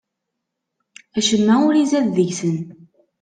Acemma ur izad deg-sen.